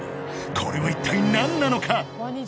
これは一体何なのか！？